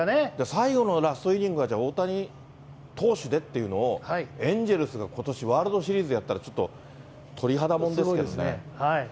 最後のラストイニングは大谷投手でっていうのを、エンジェルスがことし、ワールドシリーズやったら、ちょっと鳥肌もんですけどね。